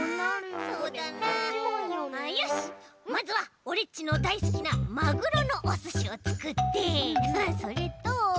まずはオレっちのだいすきなマグロのおすしをつくってそれと。